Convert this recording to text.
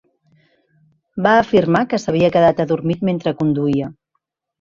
Va afirmar que s'havia quedat adormit mentre conduïa.